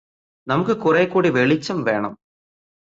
നമുക്ക് കുറേക്കൂടി വെളിച്ചം വേണം